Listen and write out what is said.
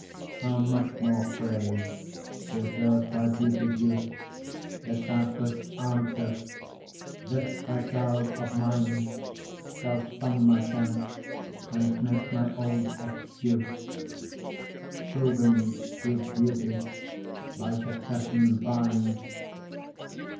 How much more praise deserv'd thy beauty's use, If thou couldst answer 'This fair child of mine Shall sum my count, and make my old excuse,' Proving his beauty by succession thine!